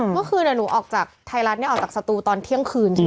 เมื่อคืนหนูออกจากไทยรัฐออกจากสตูตอนเที่ยงคืนใช่ไหม